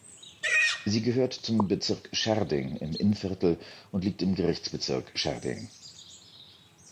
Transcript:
Sie gehört zum Bezirk Schärding im Innviertel und liegt im Gerichtsbezirk Schärding.